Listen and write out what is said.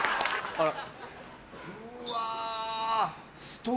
あら。